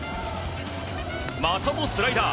またもスライダー。